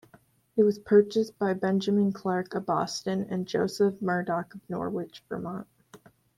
It was purchased by Benjamin Clark of Boston and Joseph Murdock of Norwich, Vermont.